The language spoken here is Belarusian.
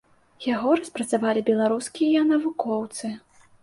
Яго распрацавалі беларускія навукоўцы.